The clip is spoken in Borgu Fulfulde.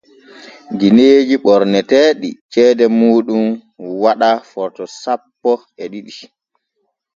Gineeji ɓorneteeɗi ceede muuɗum waɗa Forto sappo e ɗiɗi.